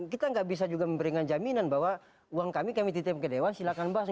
kita nggak bisa juga memberikan jaminan bahwa uang kami kami titip ke dewan silahkan bahas